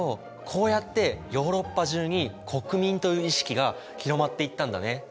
こうやってヨーロッパ中に国民という意識が広まっていったんだね。